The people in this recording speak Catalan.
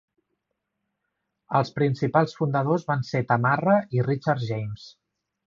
Els principals fundadors van ser Tamarra i Richard James.